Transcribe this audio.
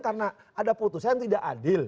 karena ada putusan yang tidak adil